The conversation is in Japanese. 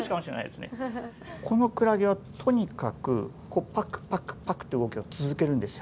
このクラゲはとにかくパクパクパクって動きを続けるんですよ。